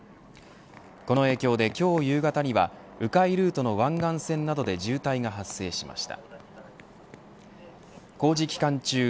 この影響で、今日夕方にはう回ルートの湾岸線などで渋滞が発生しました。